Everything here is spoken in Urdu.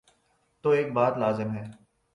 تو ایک بات لازم ہے۔